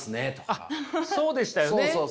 あっそうでしたよね。